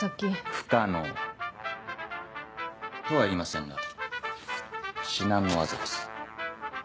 不可能。とは言いませんが至難の業です。